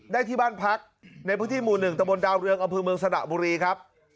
ได้ที่บ้านพักในพื้นที่หมู่๑ตะบนดาวเรืองอำเภอเมืองสระบุรีครับ